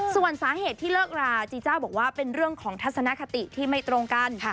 ส่วนสาเหตุที่เลิกราจีจ้าบอกว่าเป็นเรื่องของทัศนคติที่ไม่ตรงกัน